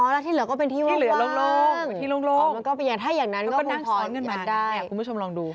แล้วที่เหลือก็เป็นที่โล่งคุณผู้ชมลองดูถ้าอย่างนั้นก็พูดพออย่างนั้นได้